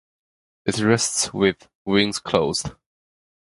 It rests with wings closed.